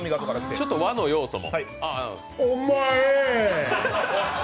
ちょっと和の要素も。